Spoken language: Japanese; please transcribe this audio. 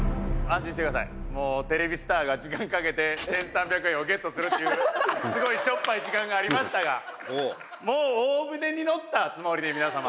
「テレビスターが時間かけて１３００円をゲットするっていうすごいしょっぱい時間がありましたがもう大船に乗ったつもりで皆様」